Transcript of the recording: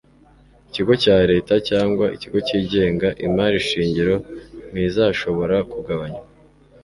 ikigo cya leta cyangwa ikigo cyigenga, imari shingiro ntizashobora kugabanywa